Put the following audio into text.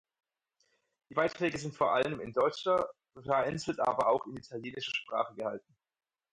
Die Beiträge sind vor allem in deutscher, vereinzelt aber auch in italienischer Sprache gehalten.